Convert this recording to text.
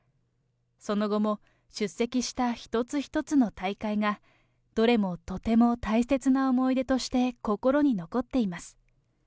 その後も出席した一つ一つの大会がどれもとても大切な思い出として、心に残っています。